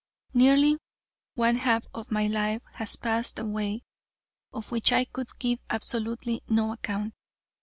Nearly one half of my life had passed away, of which I could give absolutely no account.